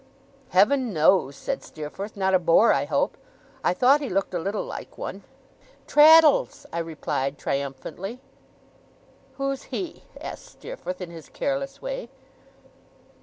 'Heaven knows,' said Steerforth. 'Not a bore, I hope? I thought he looked a little like one.' 'Traddles!' I replied, triumphantly. 'Who's he?' asked Steerforth, in his careless way.